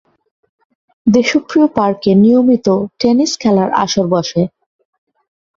দেশপ্রিয় পার্কে নিয়মিত টেনিস খেলার আসর বসে।